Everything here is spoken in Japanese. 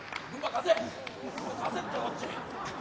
貸せってこっち。